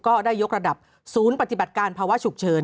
ก็ได้ยกระดับศูนย์ปฏิบัติการภาวะฉุกเฉิน